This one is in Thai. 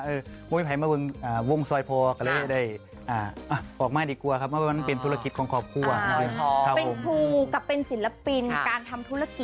เอ้าเป็นมันเป็นธุรกิจของครอบครัวค่ะ